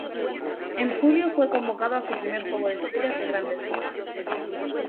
En julio fue convocado a su primer Juego de Estrellas de Grandes Ligas.